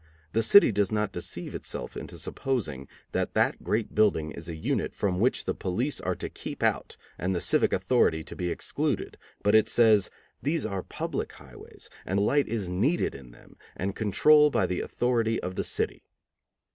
The city does not deceive itself into supposing that that great building is a unit from which the police are to keep out and the civic authority to be excluded, but it says: "These are public highways, and light is needed in them, and control by the authority of the city."